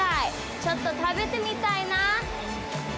ちょっと食べてみたいな。